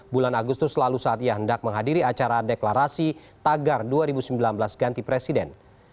bulan agustus lalu saat ia hendak menghadiri acara deklarasi tagar dua ribu sembilan belas ganti presiden